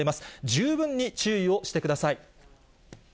十分に注意をしてください。